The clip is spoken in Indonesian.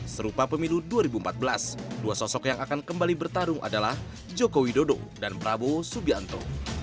serupa pemilu dua ribu empat belas dua sosok yang akan kembali bertarung adalah joko widodo dan prabowo subianto